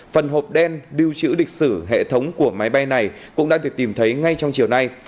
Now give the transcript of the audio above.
phần hộp đen lưu trữ lịch sử hệ thống của máy bay này cũng đã được tìm thấy ngay trong chiều nay